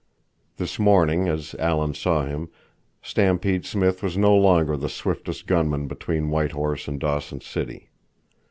This morning, as Alan saw him, Stampede Smith was no longer the swiftest gunman between White Horse and Dawson City.